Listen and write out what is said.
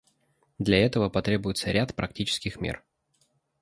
Для этого потребуется ряд практических мер.